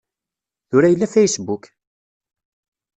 Tura yella Facebook!